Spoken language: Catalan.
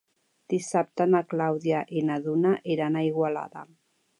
Dissabte na Clàudia i na Duna iran a Igualada.